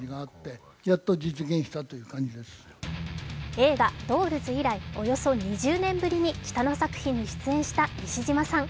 映画「Ｄｏｌｌｓ」以来、およそ２０年ぶりに北野作品に出演した西島さん。